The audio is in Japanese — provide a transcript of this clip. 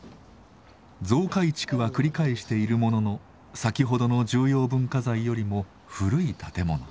増改築は繰り返しているものの先ほどの重要文化財よりも古い建物。